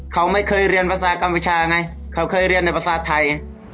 เขาไม่เคยเรียนภาษากัมพูชาไงเขาเคยเรียนในภาษาไทย